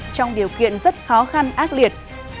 trong điều kiện rất khó khăn ác liệt